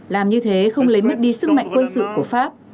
làm như thế không lấy mất đi sức mạnh quân sự của pháp